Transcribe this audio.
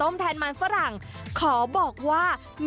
โรงพยาบาลรับทรัพย์